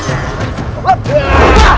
tidak ada kesalahan